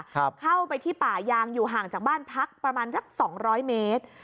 เข้าไปที่ป่ายางอยู่ห่างจากบ้านพักประมาณสักสองร้อยเมตร